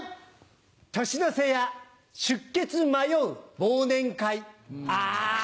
年の瀬や出欠迷う忘年会。